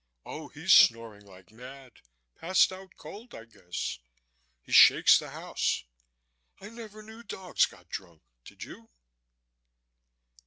Oh he's snoring like mad. Passed out cold, I guess. He shakes the house. I never knew dogs got drunk, did you?"